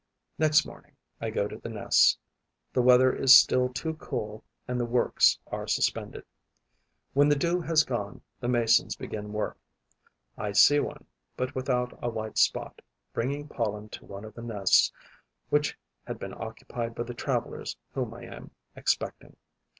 Next morning, I go to the nests. The weather is still too cool and the works are suspended. When the dew has gone, the Masons begin work. I see one, but without a white spot, bringing pollen to one of the nests which had been occupied by the travellers whom I am expecting.